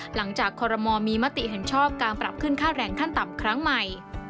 คอรมอลมีมติเห็นชอบการปรับขึ้นค่าแรงขั้นต่ำครั้งใหม่